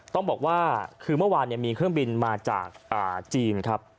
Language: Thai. ต้องบอกว่าคือเมื่อวานมีเครื่องบินมาจากจีนครับ